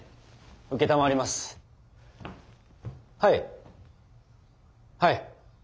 はいはい。